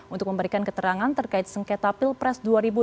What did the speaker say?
untuk memberikan keterangan terkait sengketa pilpres dua ribu dua puluh